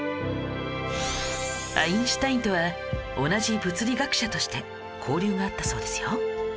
アインシュタインとは同じ物理学者として交流があったそうですよ